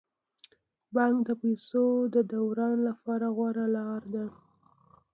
بانک د پيسو د دوران لپاره غوره لاره ده.